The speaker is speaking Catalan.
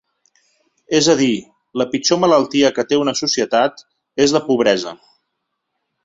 És a dir, la pitjor malaltia que té una societat és la pobresa.